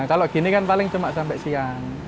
kalau gini kan paling cuma sampai siang